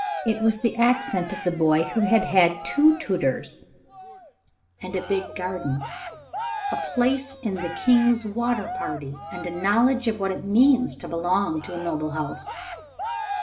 It was the accent of the boy who had had two tutors and a big garden, a place in the King's water party, and a knowledge of what it means to belong to a noble house.